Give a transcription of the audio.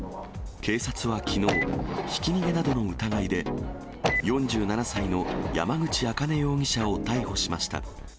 警察はきのう、ひき逃げなどの疑いで、４７歳の山口暁然容疑者を逮捕しました。